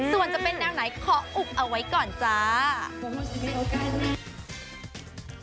ส่วนจะเป็นแนวไหนขออุบเอาไว้ก่อนจ้า